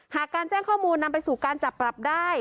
หากการแจ้งข้อมูลนำไปสู่การจับปรับได้